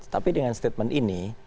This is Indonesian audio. tapi dengan statement ini